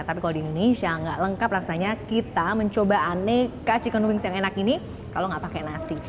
tapi kalau di indonesia nggak lengkap rasanya kita mencoba aneka chicken wings yang enak ini kalau nggak pakai nasi